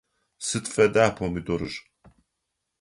Сыд фэда помидорыр?